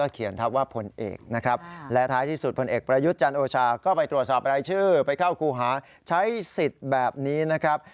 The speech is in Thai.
สิทธิ์แบบนี้นะครับ